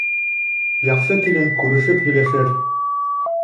Яҡшы килен күрешеп һөйләшер